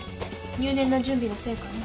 入念な準備の成果ね。